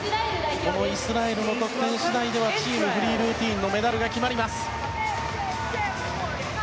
このイスラエルの得点次第ではチームフリールーティンのメダルが決まります。